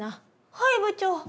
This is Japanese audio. はい部長！